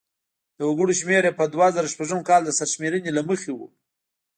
د وګړو شمیر یې په دوه زره شپږم کال د سرشمېرنې له مخې و.